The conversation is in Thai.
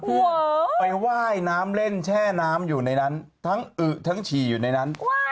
ไปว่ายน้ำเล่นแช่น้ำอยู่ในนั้นทั้งอึทั้งฉี่อยู่ในนั้น